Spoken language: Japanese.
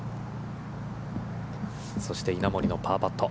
そして、稲森のパーパット。